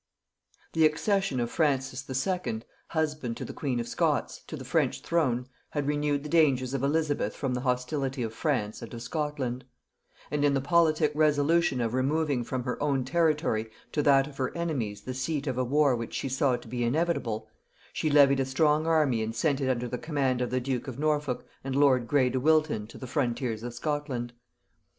The accession of Francis II., husband to the queen of Scots, to the French throne had renewed the dangers of Elizabeth from the hostility of France and of Scotland; and in the politic resolution of removing from her own territory to that of her enemies the seat of a war which she saw to be inevitable, she levied a strong army and sent it under the command of the duke of Norfolk and lord Grey de Wilton to the frontiers of Scotland.